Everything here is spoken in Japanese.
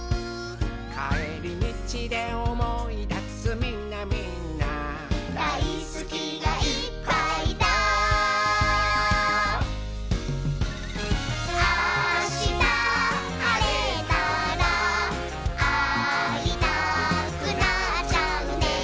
「かえりみちでおもいだすみんなみんな」「だいすきがいっぱいだ」「あしたはれたらあいたくなっちゃうね」